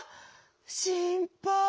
しんぱい。